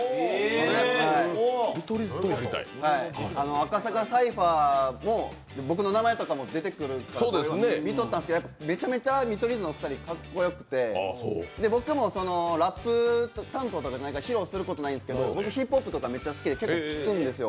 赤坂サイファーも僕の名前とかも出てくるから見とったんですけどやっぱ、めちゃめちゃ見取り図のお二人、かっこよくて、僕もラップ担当やないから披露することはないですけど、僕ヒップホップとかめっちゃ好きで結構聴くんですよ。